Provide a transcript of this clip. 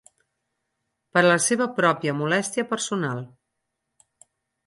Per a la seva pròpia molèstia personal.